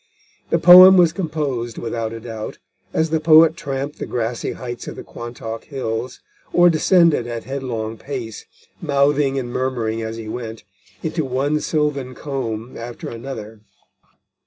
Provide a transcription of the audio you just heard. The poem was composed, without a doubt, as the poet tramped the grassy heights of the Quantock Hills, or descended at headlong pace, mouthing and murmuring as he went, into one sylvan combe after another.